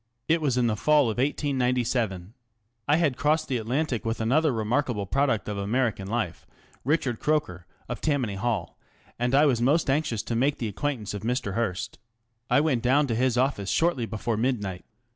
It was in the fall of 1897. I had crossed the Atlantic with another remarkable product of American life ŌĆö Richard Croker, of Tam many Hall ŌĆö and I was most anxious to make the acquaintance of Mr. Hearst. I went down to his office shortly before midnight.